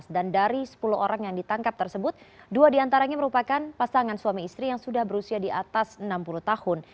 dan dari sepuluh orang yang ditangkap tersebut dua diantaranya merupakan pasangan suami istri yang sudah berusia di atas enam puluh tahun